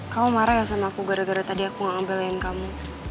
kamu marah ya sama aku gara gara tadi aku nggak ambil yang kamu